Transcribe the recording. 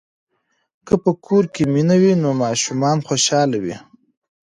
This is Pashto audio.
که په کور کې مینه وي نو ماشومان خوشاله وي.